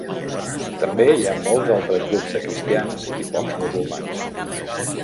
També hi ha molts altres grups de cristians i pocs musulmans.